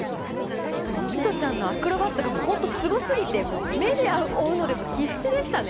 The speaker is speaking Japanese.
弥都ちゃんのアクロバットが本当すごすぎて、もう目で追うのでも必死でしたね。